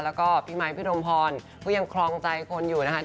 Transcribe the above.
และก็พี่มัยพี่โดมพรที่ยังครองใจคนอยู่นะคะ